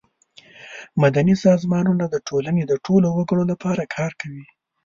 مدني سازمانونه د ټولنې د ټولو وګړو لپاره کار کوي.